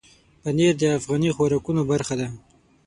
پنېر د افغاني خوراکونو برخه ده.